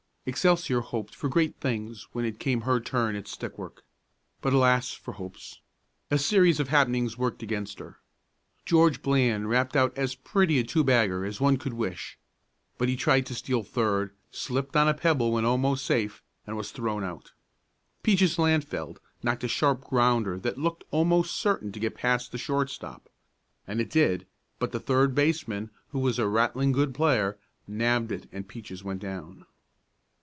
Excelsior hoped for great things when it came her turn at stick work, but alas for hopes! A series of happenings worked against her. George Bland rapped out as pretty a two bagger as one could wish, but he tried to steal third, slipped on a pebble when almost safe, and was thrown out. Peaches Lantfeld knocked a sharp grounder that looked almost certain to get past the shortstop; and it did, but the third baseman, who was a rattling good player, nabbed it and Peaches went down.